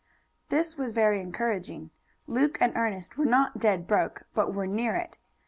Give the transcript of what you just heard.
This was very encouraging. Luke and Ernest were not dead broke, but were near it.